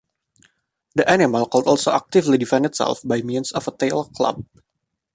The animal could also actively defend itself by means of a tail club.